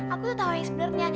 aku tuh tau yang sebenernya